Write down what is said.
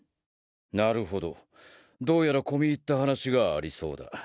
なるほどどうやら込み入った話がありそうだ。